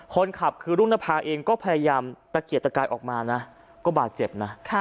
คนขับคือรุ่งนภาเองก็พยายามตะเกียกตะกายออกมานะก็บาดเจ็บนะ